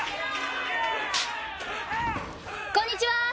こんにちは！